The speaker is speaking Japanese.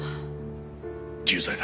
重罪だ。